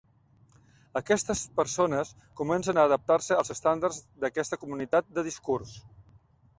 Aquestes persones comencen a adaptar-se als estàndards d'aquesta comunitat de discurs.